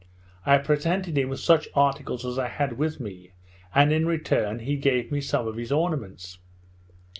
I presented him with such articles as I had with me, and, in return, he gave me some of his ornaments.